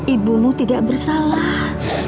ibumu tidak bersalah